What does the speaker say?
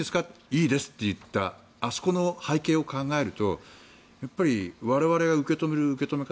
いいですと言ったあそこの背景を考えるとやっぱり、我々が受け止める受け止め方